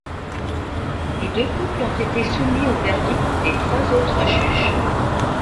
Les deux couples ont été soumis au verdict des trois autres juges.